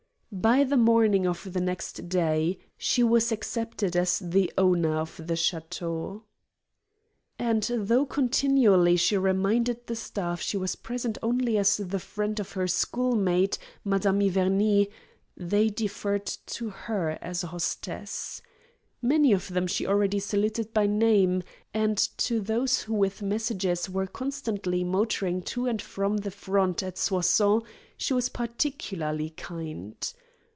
By the morning of the next day she was accepted as the owner of the château. And though continually she reminded the staff she was present only as the friend of her schoolmate, Madame Iverney, they deferred to her as to a hostess. Many of them she already saluted by name, and to those who with messages were constantly motoring to and from the front at Soissons she was particularly kind.